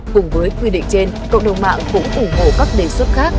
cùng với quy định trên cộng đồng mạng cũng ủng hộ các đề xuất khác